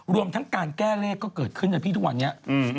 รวมทั้งการแก้เลขก็เกิดขึ้นนะพี่ทุกวันนี้